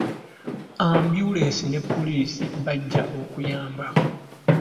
Ambyulensi ne poliisi bajja okuyamba.